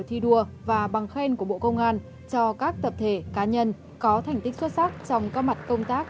thi đua và bằng khen của bộ công an cho các tập thể cá nhân có thành tích xuất sắc trong các mặt công tác